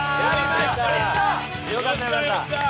よかったよかった。